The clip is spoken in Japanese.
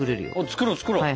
作ろう作ろう。